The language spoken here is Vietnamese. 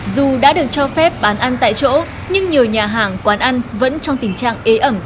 dù đã được cho phép bán ăn tại chỗ nhưng nhiều nhà hàng quán ăn vẫn trong tình trạng ế ẩm